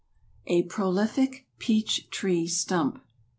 A PROLIFIC PEACH TREE STUMP.